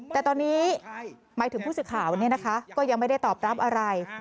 แต่ตอนนี้หมายถึงผู้ศึกข่าวนี้นะคะก็ยังไม่ได้ตอบรับอะไร